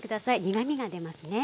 苦みが出ますね。